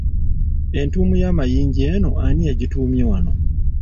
Entuumu y'amayinja eno ani yagituumye wano.